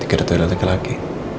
dikira toilet lagi